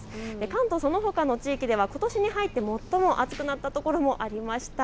関東そのほかの地域ではことしに入って最も暑くなった所もありました。